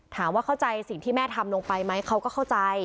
ถามว่าเข้าใจสิ่งที่แม่ทำลงไปไหมเขาก็เข้าใจ